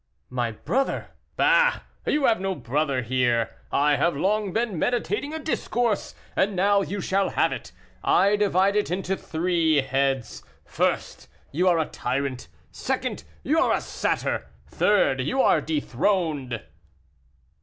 "My brother!" "Bah! you have no brother here. I have long been meditating a discourse, and now you shall have it. I divide it into three heads. First, you are a tyrant; second, you are a satyr; third, you are dethroned."